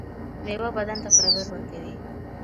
میوه بدن ته فایبر ورکوي